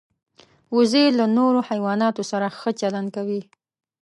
وزې له نورو حیواناتو سره ښه چلند کوي